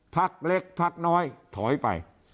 พักเล็กพักน้อยถอยไป